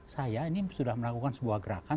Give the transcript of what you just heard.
saya ini sudah melakukan sebuah gerakan